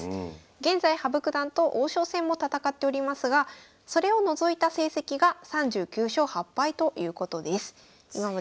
現在羽生九段と王将戦も戦っておりますがそれを除いた成績が３９勝８敗ということです。